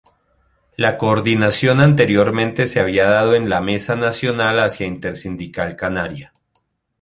La coordinación anteriormente se había dado en la "Mesa Nacional hacia Intersindical Canaria.